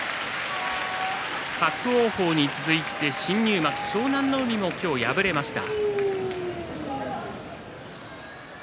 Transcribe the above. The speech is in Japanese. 伯桜鵬に続いて新入幕湘南乃海も今日は敗れました。